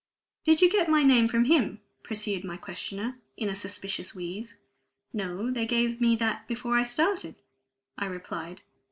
"Did you get my name from him?" pursued my questioner, in a suspicious wheeze. "No; they gave me that before I started," I replied.